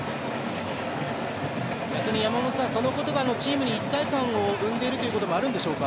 逆に山本さん、そのことがチームに一体感を生んでいることもあるんでしょうか？